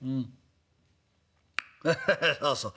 ハハハそうそう。